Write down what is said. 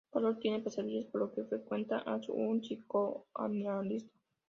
Carol tiene pesadillas por lo que frecuenta a un psicoanalista.